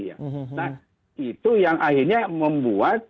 nah itu yang akhirnya membuat